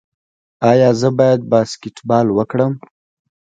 ایا زه باید باسکیټبال وکړم؟